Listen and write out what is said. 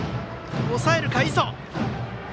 抑えるか、磯。